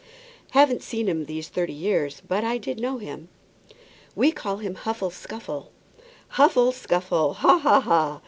"Haven't seen him these thirty years; but I did know him." "We call him old Huffle Scuffle." "Huffle Scuffle! Ha, ha, ha!